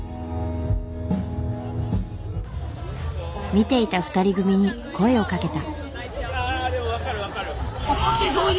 見ていた２人組に声をかけた。